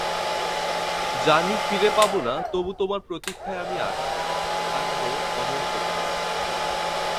জানি ফিরে পাব না, তবু তোমার প্রতীক্ষায় আমি আছি, থাকব অনন্তকাল।